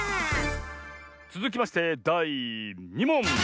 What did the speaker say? つづきましてだい２もん！